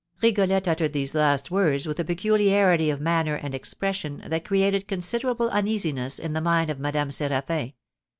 Rigolette uttered these last words with a peculiarity of manner and expression that created considerable uneasiness in the mind of Madame Séraphin.